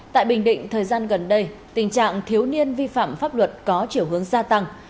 tại bình định thời gian gần đây tình trạng thiếu niên vi phạm pháp luật có chiều hướng gia tăng